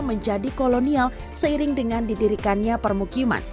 menjadi kolonial seiring dengan didirikannya permukiman